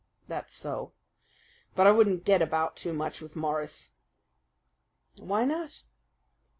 "That's so. But I wouldn't get about too much with Morris." "Why not?"